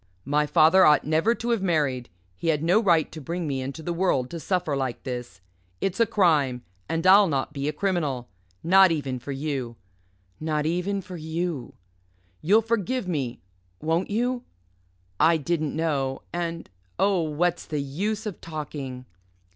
My father ought never to have married. He had no right to bring me into the world to suffer like this. It's a crime. And I'll not be a criminal. Not even for you not even for you. You'll forgive me won't you? I didn't know and oh, what's the use of talking?"